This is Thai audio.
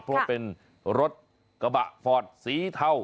เพราะว่าเป็นรถกระบะฟอร์ดสีเทา